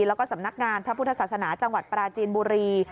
แล้วก็สำนักงานพระพุทธศาสนาจังหวัดปราจีนบุรี